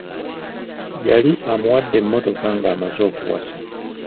Yali amuwadde emmotoka ng'amaze okuwasa.